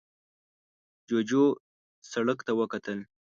جوجو سرک ته وکتل.